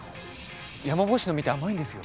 ヤマボウシの実って甘いんですよ。